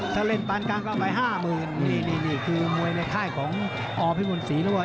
ถ้าเล่นตรงกลางก็เอาไปห้ามือนนี่นี่นี่คือมวยในค่ายของอภิมศ์มุนศรีแล้วอ่ะ